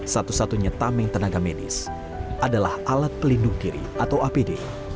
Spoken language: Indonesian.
satu satunya tameng tenaga medis adalah alat pelindung kiri atau apd